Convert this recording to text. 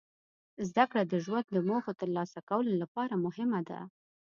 زدهکړه د ژوند د موخو ترلاسه کولو لپاره مهمه ده.